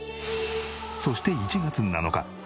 そして１月７日